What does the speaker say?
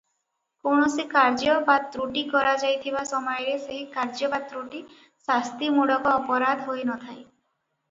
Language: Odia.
କୌଣସି କାର୍ଯ୍ୟ ବା ତ୍ରୁଟି କରାଯାଇଥିବା ସମୟରେ ସେହି କାର୍ଯ୍ୟ ବା ତ୍ରୁଟି ଶାସ୍ତିମୂଳକ ଅପରାଧ ହୋଇନଥାଏ.